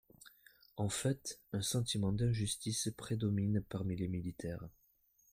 En fait, un sentiment d’injustice prédomine parmi les militaires.